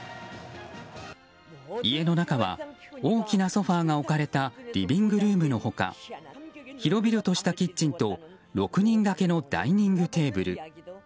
家の中は大きなソファが置かれたリビングルームの他広々としたキッチンと６人掛けのダイニングテーブル。